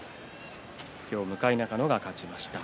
今日、向中野が勝ちました。